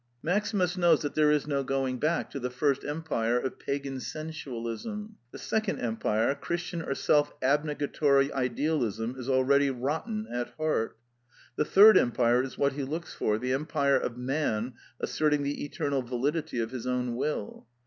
Maximus knows that there is no going back to the first empire " of pagan sensualism. ''The second empire," Christian or self abnega tory idealism, is already rotten at heart. '' The third empire" is what he looks for: the empire of Man asserting the eternal validity of his own will.